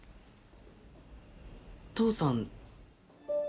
父さん。